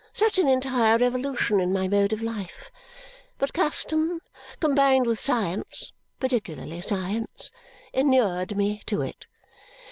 Such an entire revolution in my mode of life! But custom, combined with science particularly science inured me to it.